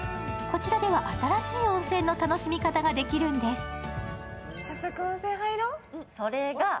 こちらでは新しい温泉の楽しみ方ができるんです。